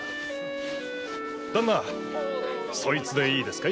ダンナそいつでいいですかい？